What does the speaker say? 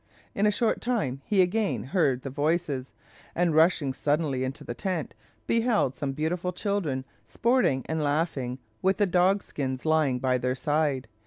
In a short time he again heard voices, and rushing suddenly into the tent, beheld some beautiful children sporting and laughing, with the dog skins lying by their side.